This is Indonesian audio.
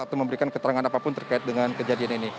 atau memberikan keterangan apapun terkait dengan kejadian ini